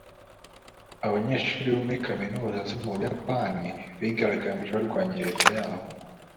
abanyeshuri bo muri za kaminuza zo mu buyapani bigaragambije barwanya leta yabo